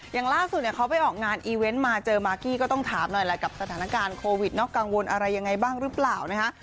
อย่างล่าสุดเนี่ยเขาไปออกงานอีเวนต์มาเจอมากกี้ก็ต้องถามหน่อยแหละกับสถานการณ์โควิดเนาะกังวลอะไรยังไงบ้างหรือเปล่านะคะ